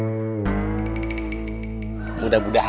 mereka memiliki kekuasaan untuk memiliki kekuasaan